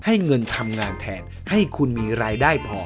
ให้เงินทำงานแทนให้คุณมีรายได้พอ